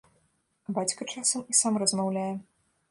А бацька часам і сам размаўляе.